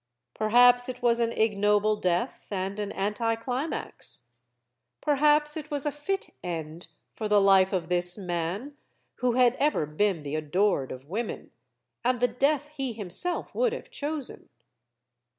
Perhaps it was an ignoble death, and an anticlimax. Perhaps it was a fit end for the life of this man, who had ever been the adored of women; and the death he himself would have chosen.